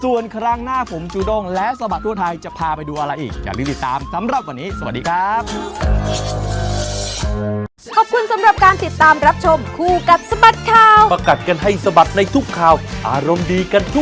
ส่วนครั้งหน้าผมจุดงและสบัตรทั่วไทยจะพาไปดูอะไรอีก